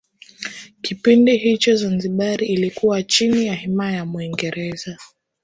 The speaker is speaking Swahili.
Kipindi hicho Zanzibar ilikuwa chini ya himaya ya muingereza